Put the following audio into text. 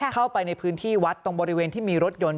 เข้าไปในพื้นที่วัดตรงบริเวณที่มีรถยนต์